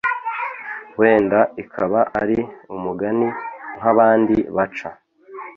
wenda ikaba ari umugani nkabandi baca